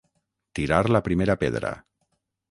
Tirar la primera pedra.